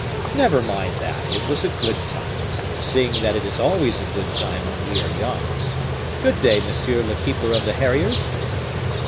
"Never mind that, it was a good time, seeing that it is always a good time when we are young. Good day, monsieur the keeper of the harriers."